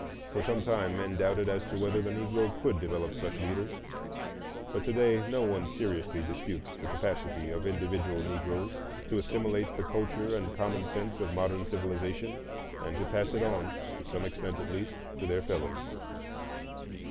For some time men doubted as to whether the Negro could develop such leaders; but to day no one seriously disputes the capability of individual Negroes to assimilate the culture and common sense of modern civilization, and to pass it on, to some extent at least, to their fellows.